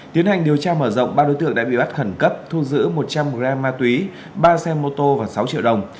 tiến hành điều tra mở rộng ba đối tượng đã bị bắt khẩn cấp thu giữ một trăm linh gram ma túy ba xe mô tô và sáu triệu đồng